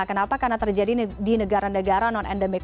kenapa karena terjadi di negara negara non endemik